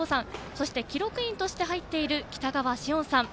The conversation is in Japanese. そして記録員として入っている北川詩温さん。